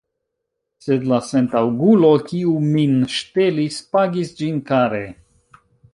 Sed la sentaŭgulo, kiu min ŝtelis, pagis ĝin kare.